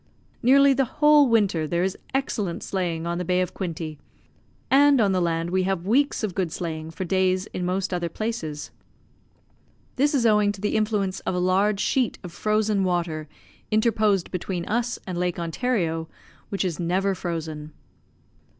Nearly the whole winter there is excellent sleighing on the Bay of Quinte; and on the land we have weeks of good sleighing for days in most other places. This is owing to the influence of a large sheet of frozen water interposed between us and Lake Ontario, which is never frozen.